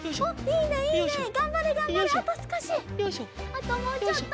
あともうちょっと！